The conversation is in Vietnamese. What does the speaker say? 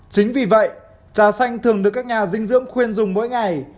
chính vì vậy trà xanh thường được các nhà dinh dưỡng khuyên dùng mỗi ngày